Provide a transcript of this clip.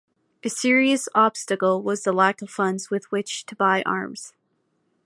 A serious obstacle was the lack of funds with which to buy arms.